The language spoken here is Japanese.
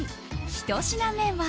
１品目は。